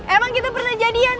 emang kita pernah jadian